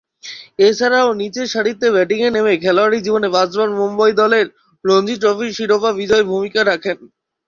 এছাড়াও, নিচেরসারিতে ব্যাটিংয়ে নেমে খেলোয়াড়ী জীবনে পাঁচবার মুম্বই দলের রঞ্জী ট্রফির শিরোপা বিজয়ে ভূমিকা রাখেন।